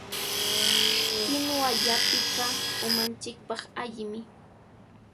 Kinuwa llapiqa umanchikpaq allimi.